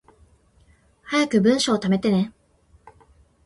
早く文章溜めてね